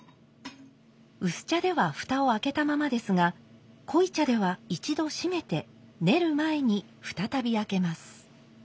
薄茶では蓋を開けたままですが濃茶では一度閉めて練る前に再び開けます。